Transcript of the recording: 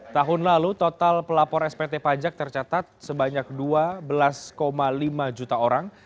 tahun lalu total pelapor spt pajak tercatat sebanyak dua belas lima juta orang